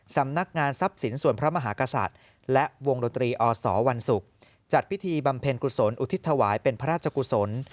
สำนักงานทรัพย์สินส่วนพระมหากษัตริย์และวงดนตรีอสวันศุกร์จัดพิธีบำเพ็ญกุศลอุทิศถวายเป็นพระราชกุศล